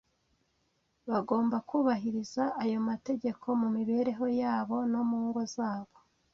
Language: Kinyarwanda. Bagomba kubahiriza ayo mategeko mu mibereho yabo no mu ngo zabo